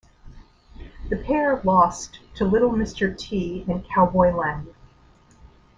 The pair lost to Little Mr. T and Cowboy Lang.